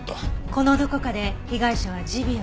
このどこかで被害者はジビエを食べた。